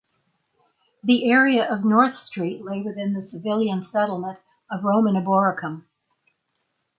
The area of North Street lay within the civilian settlement of Roman Eboracum.